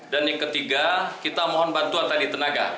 dan yang ketiga kita mohon bantuan dari tenaga